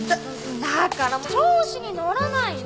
だからもう調子に乗らないの。